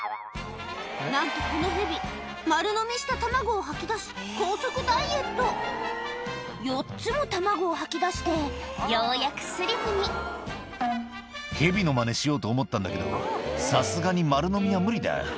なんとこのヘビ丸のみした卵を吐き出し高速ダイエット４つも卵を吐き出してようやくスリムに「ヘビのマネしようと思ったんだけどさすがに丸のみは無理だ」